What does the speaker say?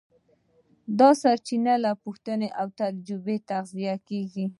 دا سرچینه له پوښتنې او تجربې تغذیه کېږي.